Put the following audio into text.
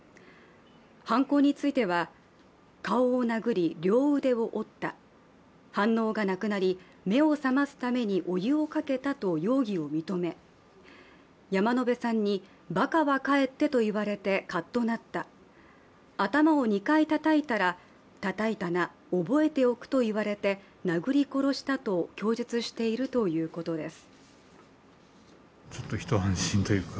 犯行については顔を殴り、両腕を折った反応がなくなり、目を覚ますためにお湯をかけたと容疑を認め山野辺さんに、バカは帰ってと言われてカッとなった、頭を２回たたいたらたたいたな、覚えておくと言われ殴り殺したと供述しているということです。